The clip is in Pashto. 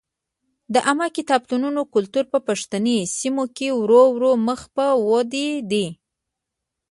د عامه کتابتونونو کلتور په پښتني سیمو کې ورو ورو مخ په ودې دی.